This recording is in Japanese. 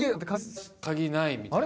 鍵ない？みたいな。